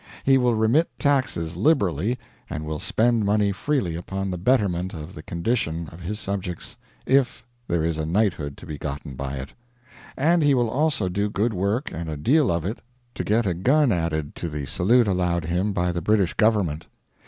He will remit taxes liberally, and will spend money freely upon the betterment of the condition of his subjects, if there is a knighthood to be gotten by it. And he will also do good work and a deal of it to get a gun added to the salute allowed him by the British Government.